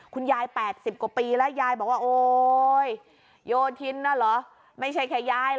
คุณยาย๘๐กว่าปีแล้วยายบอกว่าโอ๊ยโยธินน่ะเหรอไม่ใช่แค่ยายเหรอ